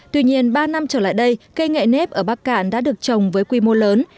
tuy nhiên ba năm trở lại đây cây nghệ nếp ở bắc cạn đã được trồng với quy mô lớn